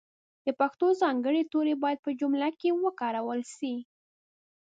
د پښتو ځانګړي توري باید په جملو کښې وکارول سي.